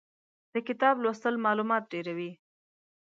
د کتاب لوستل مالومات ډېروي.